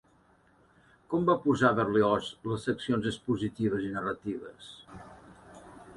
Com va posar Berlioz les seccions expositives i narratives?